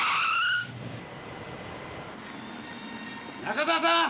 中澤さん